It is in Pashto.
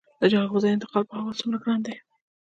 د جلغوزیو انتقال په هوا څومره ګران دی؟